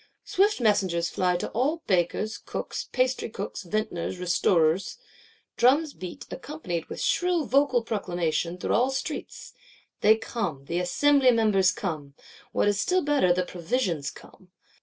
Swift messengers fly, to all bakers, cooks, pastrycooks, vintners, restorers; drums beat, accompanied with shrill vocal proclamation, through all streets. They come: the Assembly Members come; what is still better, the provisions come.